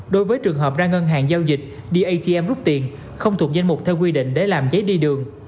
đối với trường hợp ra ngân hàng giao dịch datm rút tiền không thuộc danh mục theo quy định để làm giấy đi đường